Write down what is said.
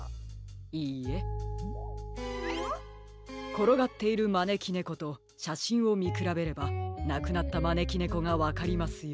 ころがっているまねきねことしゃしんをみくらべればなくなったまねきねこがわかりますよ。